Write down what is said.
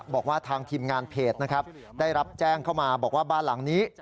บอกว่าทางทีมงานเพจนะครับได้รับแจ้งเข้ามาบอกว่าบ้านหลังนี้